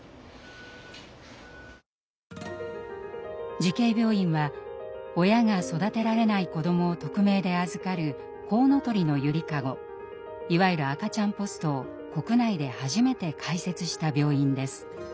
慈恵病院は親が育てられない子どもを匿名で預かる「こうのとりのゆりかご」いわゆる赤ちゃんポストを国内で初めて開設した病院です。